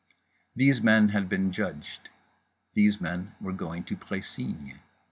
These men had been judged. These men were going to Précigne.